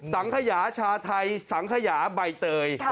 สังขยาชาไทยสังขยาใบเตย